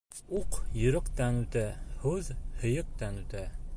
Уҡ йөрәктән үтә, һүҙ һөйәктән үтә.